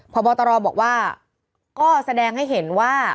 พบตรบอกว่าก็แสดงให้เห็นว่า